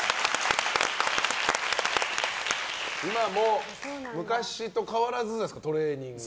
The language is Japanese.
今も、昔と変わらずですかトレーニングは。